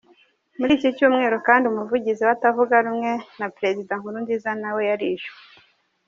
Muri iki cyumweru kandi umuvugizi w’abatavuga rumwe na Perezida Nkurunziza nawe yarishwe.